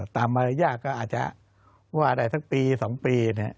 ตามมารยาก็อาจจะว่าได้ทั้งปี๒ปี